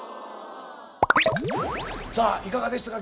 さあいかがでしたか？